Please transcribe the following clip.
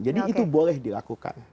jadi itu boleh dilakukan